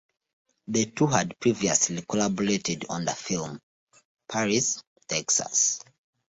The two had previously collaborated on the film "Paris, Texas".